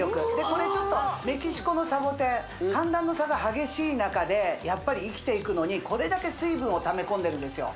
これちょっとメキシコのサボテン寒暖の差が激しい中でやっぱり生きていくのにこれだけ水分をためこんでるんですよ